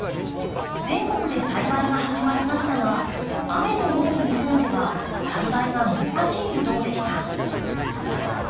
全国で栽培が始まりましたが雨の多い日本では栽培が難しいブドウでした。